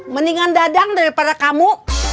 mendingan dadang daripada kamu